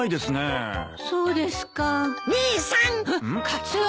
カツオ。